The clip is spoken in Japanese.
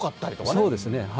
そうですね。